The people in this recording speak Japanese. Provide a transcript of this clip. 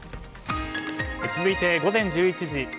続いて、午前１１時。